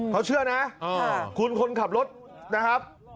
เขาเชื่อนะคุณคนขับรถนะครับ